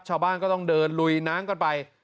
ชาวบ้านก็ต้องเดินลุยน้ำกันไป